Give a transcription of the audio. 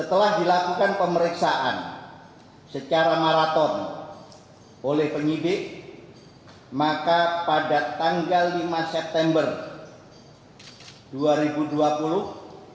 telah dilakukan flat fee kepada rizqban pemer coh covid sembilan belas pada saat ke tempat berubah